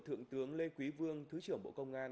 thượng tướng lê quý vương thứ trưởng bộ công an